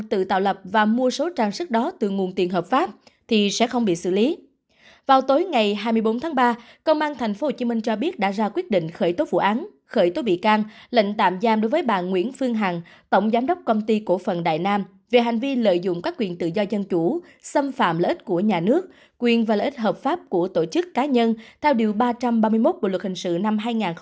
theo luật sư cường hiện nay cơ quan điều tra mới chỉ khởi tố bà nguyễn phương hằng về tội lợi ích của nhà nước quyền và lợi ích hợp pháp của tổ chức cá nhân theo điều ba trăm ba mươi một bộ luật hình sự năm hai nghìn một mươi năm